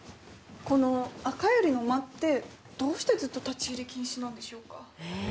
このどうしてずっと立ち入り禁止なんでしょうか？